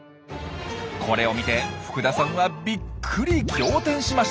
これを見て福田さんはびっくり仰天しました。